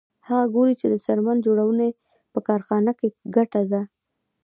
هغه ګوري چې د څرمن جوړونې په کارخانه کې ګټه ده